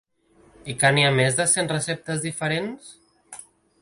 I que n’hi ha més de cent receptes diferents?